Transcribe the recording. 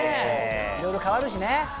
いろいろ変わるしね。